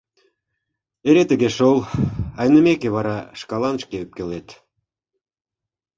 Эре тыге шол, айнымеке вара шкалан шке ӧпкелет.